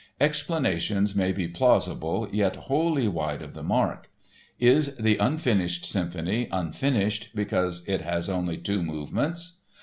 Explanations may be plausible yet wholly wide of the mark. Is the Unfinished Symphony unfinished because it has only two movements?